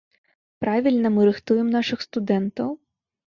Правільна мы рыхтуем нашых студэнтаў?